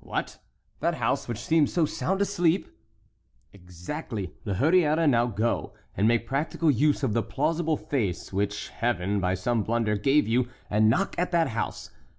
"What! that house which seems so sound asleep"— "Exactly! La Hurière, now go and make practical use of the plausible face which heaven, by some blunder, gave you, and knock at that house.